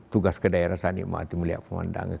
tugas ke daerah saya nikmati melihat pemandangan